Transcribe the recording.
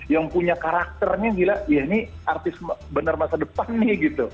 yang punya karakternya gila ya ini artis benar masa depan nih gitu